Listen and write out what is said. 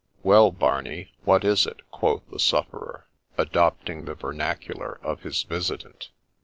' Well, Barney, what is it ?' quoth the sufferer, adopting the vernacular of his visitant.